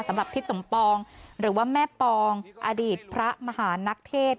ทิศสมปองหรือว่าแม่ปองอดีตพระมหานักเทศ